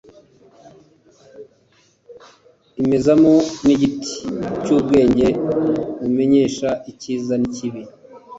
imezamo n’igiti cy’ubwenge bumenyesha icyiza n’ikibi